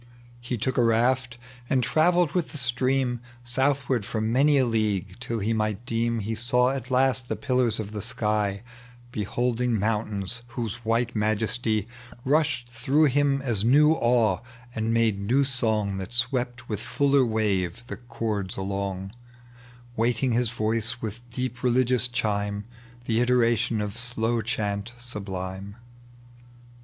.tec bv Google THE LEGEND OF JUBAL. 27 lie took a raft, and travelled with the stream Southward for many a league, tiU he might deem He saw at last the pUlara of the sky, Beholding mountains whose white majesty Rushed through liini as new awe, and made new song That swept with fuller waye fiie chorda along, "Weighting his Voice with deep religious chime,. The iteration of slow chant sublime.